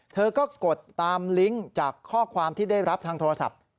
เธอก็กดตามลิงก์จากข้อความที่ได้รับทางโทรศัพท์